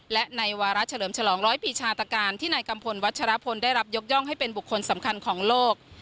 และในวาระเฉลิมฉลองร้อยปีชาตการที่นายกัมพลวัชรพลได้รับยกย่องให้เป็นบุคคลสำคัญของโลก